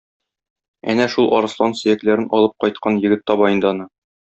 Әнә шул арыслан сөякләрен алып кайткан егет таба инде аны.